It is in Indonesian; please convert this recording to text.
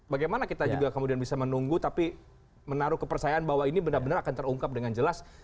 bagaimana kita juga kemudian bisa menunggu tapi menaruh kepercayaan bahwa ini benar benar akan terungkap dengan jelas